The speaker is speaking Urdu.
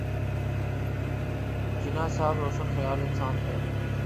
جناح صاحب روشن خیال انسان تھے۔